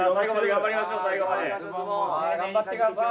頑張ってください。